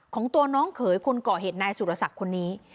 ของตัวน้องเขยคนก่อเหตุนายสุรศักดิ์คนนี้